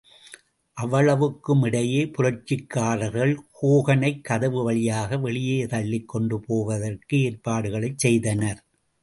அவ்வளவுக்குமிடையே புரட்சிக்காரர்கள் ஹோகனைக் கதவு வழியாக வெளியே தள்ளிக்கொண்டு போவதற்கு ஏற்பாடுகளைச் செய்தனர்.